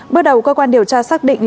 bước đầu cơ quan điều tra xác định